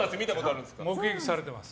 目撃されてます。